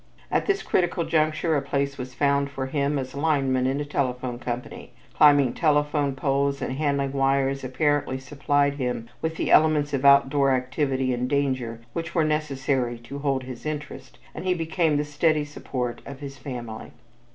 At this critical juncture a place was found for him as lineman in a telephone company; climbing telephone poles and handling wires apparently supplied him with the elements of outdoor activity and danger which were necessary to hold his interest, and he became the steady support of his family.